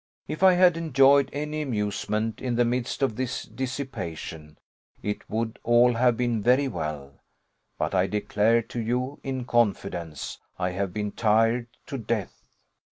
If I had enjoyed any amusement in the midst of this dissipation, it would all have been very well; but I declare to you in confidence I have been tired to death.